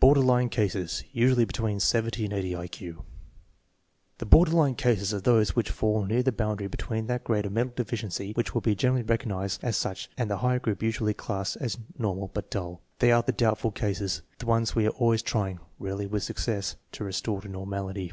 Border line cases (usually between 70 and 80 I Q). The border line cases are those which fall near the bound ary between that grade of mental deficiency which will be generally recognized as such and the higher group usually classed as normal but dull. They are the doubtful cases, the ones we are always trying (rarely with success) to restore to normality.